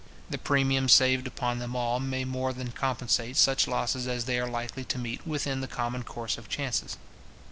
The premium saved up on them all may more than compensate such losses as they are likely to meet with in the common course of chances.